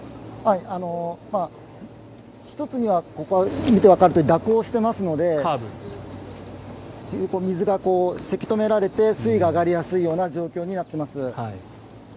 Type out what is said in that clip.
１つにはここを見てわかるとおり蛇行していますので水がせき止められて水位が上がりやすい状況となっています。